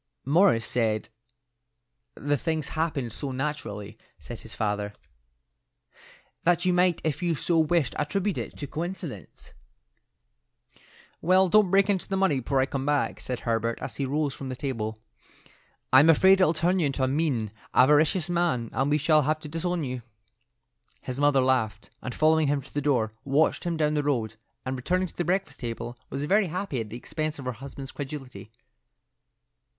"Morris said the things happened so naturally," said his father, "that you might if you so wished attribute it to coincidence." "Well, don't break into the money before I come back," said Herbert as he rose from the table. "I'm afraid it'll turn you into a mean, avaricious man, and we shall have to disown you." His mother laughed, and following him to the door, watched him down the road; and returning to the breakfast table, was very happy at the expense of her husband's credulity.